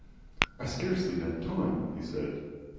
"I scarcely had time," he said.